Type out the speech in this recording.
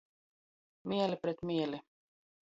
Mēli pret mēli.